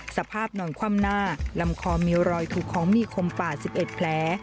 สภาพนอนคว่ำหน้าลำคอมีรอยถูกของมีคมป่า๑๑แผล